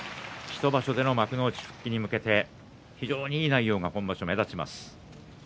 １場所での幕内復帰にかけて非常にいい内容が今場所、目立ちます。